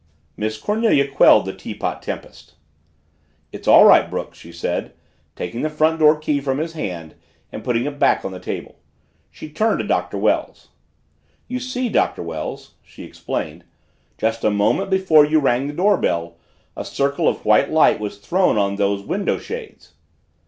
Miss Cornelia quelled the teapot tempest. "It's all right, Brooks," she said, taking the front door key from his hand and putting it back on the table. She turned to Doctor Wells. "You see, Doctor Wells," she explained, "just a moment before you rang the doorbell a circle of white light was thrown on those window shades."